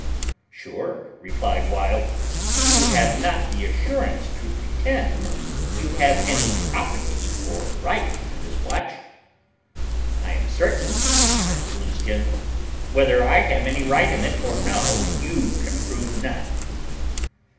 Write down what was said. "Sure," replied Wild, "you have not the assurance to pretend you have any property or right in this watch?" "I am certain," returned Blueskin, "whether I have any right in it or no, you can prove none."